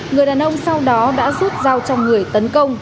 người đàn ông sau đó đã rút dao trong người tấn công